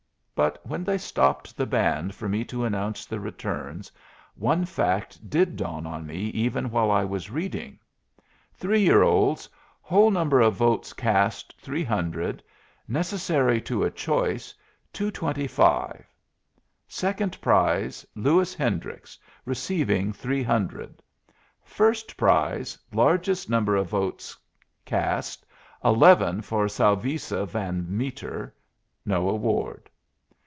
But when they stopped the band for me to announce the returns, one fact did dawn on me even while I was reading: "Three year olds: Whole number of votes cast, 300; necessary to a choice, 225. Second prize, Lewis Hendricks, receiving 300. First prize, largest number of votes cast, 11, for Salvisa van Meter. No award.